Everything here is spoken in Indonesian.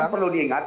bahkan perlu diingat